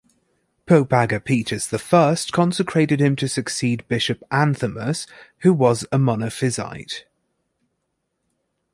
Pope Agapetus I consecrated him to succeed Bishop Anthimus, who was a monophysite.